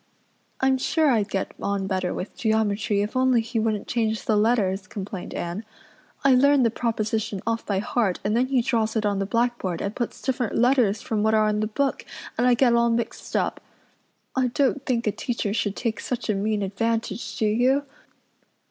"I'm sure I'd get on better with geometry if only he wouldn't change the letters," complained Anne. "I learn the proposition off by heart and then he draws it on the blackboard and puts different letters from what are in the book and I get all mixed up. I don't think a teacher should take such a mean advantage, do you?